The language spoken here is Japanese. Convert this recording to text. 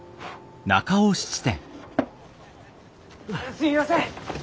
すみません！